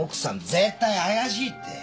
絶対怪しいって。